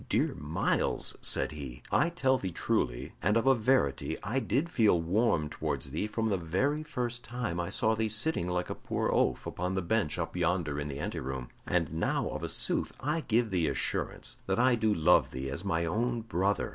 "Dear Myles," said he, "I tell thee truly and of a verity I did feel warm towards thee from the very first time I saw thee sitting like a poor oaf upon the bench up yonder in the anteroom, and now of a sooth I give thee assurance that I do love thee as my own brother.